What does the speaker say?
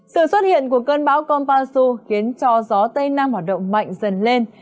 sự xuất hiện của cơn bão konpasu khiến cho gió tây nam hoạt động mạnh dần lên